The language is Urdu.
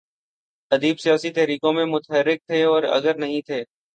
ادیب سیاسی تحریکوں میں متحرک تھے اور اگر نہیں تھے۔